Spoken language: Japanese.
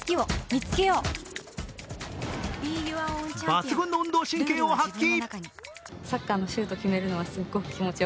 抜群の運動神経を発揮！